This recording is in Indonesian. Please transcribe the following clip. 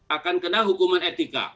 akan kena hukuman etika